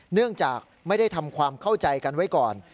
เนื่องจากไม่ได้ทำความเข้าใจกันไว้ก่อน